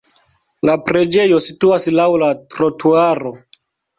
La preĝejo situas laŭ la trotuaro.